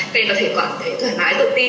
để các em có thể quản thể thoải mái tự tin